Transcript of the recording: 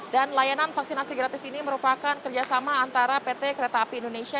dan layanan vaksinasi gratis ini merupakan kerjasama antara pt kereta api indonesia